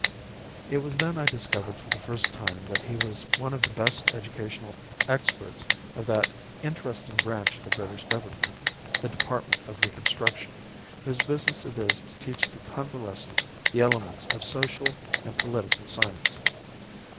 It was then I discovered for the first time that he was one of the best educational experts of that interesting branch of the British Government, the Department of Reconstruction, whose business it is to teach the convalescents the elements of social and political science.